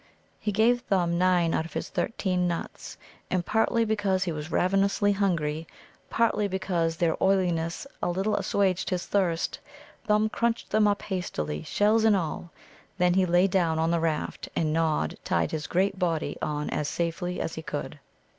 He gave Thumb nine out of his thirteen nuts, and partly because he was ravenously hungry, partly because their oiliness a little assuaged his thirst, Thumb crunched them up hastily, shells and all. Then he lay down on the raft, and Nod tied his great body on as safely as he could.